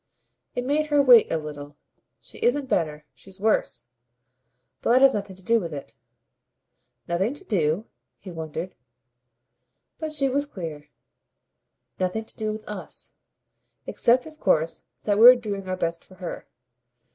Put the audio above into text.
It made her wait a little. "She isn't better. She's worse. But that has nothing to do with it." "Nothing to do?" He wondered. But she was clear. "Nothing to do with US. Except of course that we're doing our best for her.